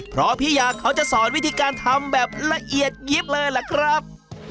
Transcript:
เพราะพี่ยาเขาจะสอนวิธีการทำแบบละเอียดยิบเลยล่ะครับ